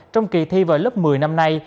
trong kỳ thi vào lớp một mươi năm nay